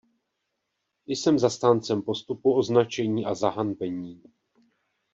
Jsem zastáncem postupu označení a zahanbení.